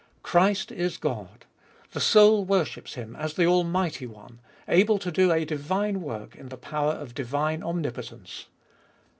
Christ is God : the soul worships Him as the Almighty One, able to do a divine work in the power of divine omnipotence.